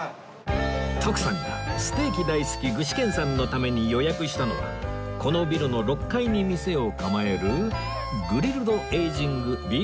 徳さんがステーキ大好き具志堅さんのために予約したのはこのビルの６階に店を構える